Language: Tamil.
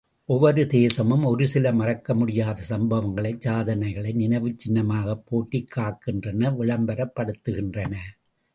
ஒவ்வொரு தேசமும் ஒரு சில மறக்கமுடியாத சம்பவங்களை சாதனைகளை நினைவுச் சின்னமாகப் போற்றிக் காக்கின்றன விளம்பரப்படுத்துகின்றன.